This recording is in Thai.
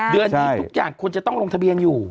เดือนนี้ทุกอย่างควรจะต้องลงทะเบียนอยู่